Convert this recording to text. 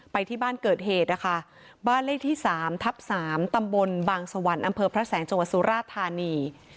ไปที่บ้านเกิดเหตุนะคะบ้านเลขที่๓ทับ๓ตำบลบางสวรรค์อำเภอพระแสงจังหวัดสุราธานี